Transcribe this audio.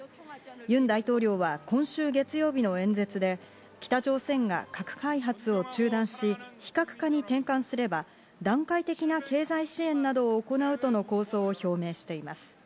ユン大統領は今週月曜日の演説で、北朝鮮が核開発を中断し、非核化に転換すれば段階的な経済支援などを行うとの構想を表明しています。